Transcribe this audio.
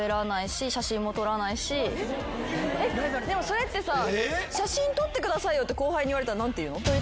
でもそれってさ「写真撮ってくださいよ」って後輩に言われたら何て言うの？